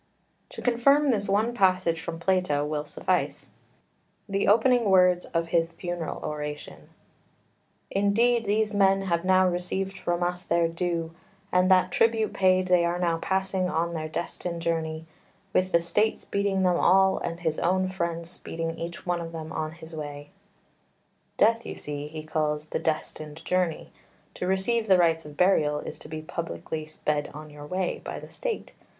2 To confirm this one passage from Plato will suffice the opening words of his Funeral Oration: "In deed these men have now received from us their due, and that tribute paid they are now passing on their destined journey, with the State speeding them all and his own friends speeding each one of them on his way." Death, you see, he calls the "destined journey"; to receive the rites of burial is to be publicly "sped on your way" by the State.